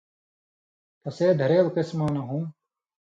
تسے دھرېل قِسمؤں نہ ہُم